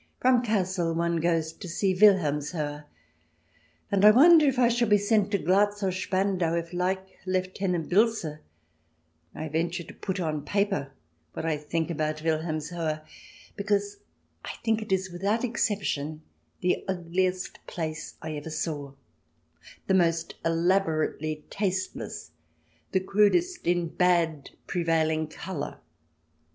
From Kassel one goes to see WilhelmshOhe, and I wonder if I shall be sent to Glatz or Spandau, like Lieutenant Bilse, if I venture to put on paper what I think about Wilhelmshohe, because I think it is without exception the ugliest place I ever saw, the most elaborately tasteless, the crudest in bad prevailing colour.